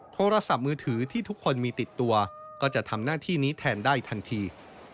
โทรศัพท์มือถือที่ทุกคนมีติดตัวก็จะทำหน้าที่นี้แทนได้ทันที